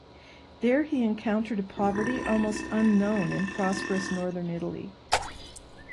There he encountered a poverty almost unknown in prosperous northern Italy.